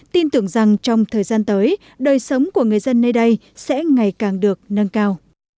tin tưởng rằng trong thời gian tới đời sống của người dân nơi đây sẽ ngày càng được nâng cao